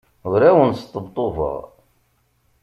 Ur awen-sṭebṭubeɣ.